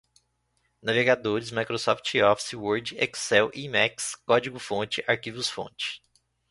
navegadores, microsoft office, word, excel, emacs, código-fonte, arquivos-fonte